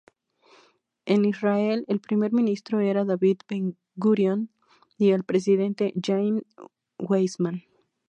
En Israel, el primer ministro era David Ben-Gurion, y el presidente, Jaim Weizmann.